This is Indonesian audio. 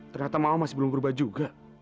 ternyata mama masih belum berubah juga